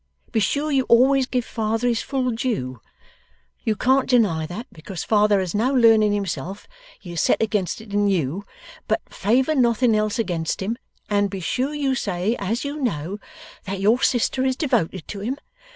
Be sure you always give father his full due. You can't deny that because father has no learning himself he is set against it in you; but favour nothing else against him, and be sure you say as you know that your sister is devoted to him.